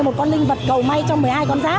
một con linh vật cầu may trong một mươi hai con giáp